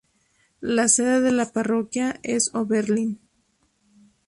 La sede de la parroquia es Oberlin.